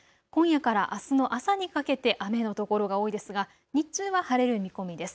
今夜からあすの朝にかけて雨の所が多いですが日中は晴れる見込みです。